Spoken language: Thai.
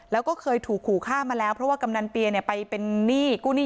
แล้วก็เคยถูกขู่ข้ามมาแล้วเพราะว่ากำนันเปียเนี้ยไปเป็นหนี้